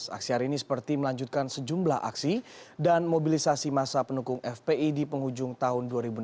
aksi hari ini seperti melanjutkan sejumlah aksi dan mobilisasi masa pendukung fpi di penghujung tahun dua ribu enam belas